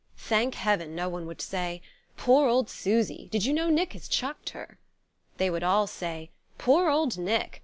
Thank heaven no one would say: "Poor old Susy did you know Nick had chucked her?" They would all say: "Poor old Nick!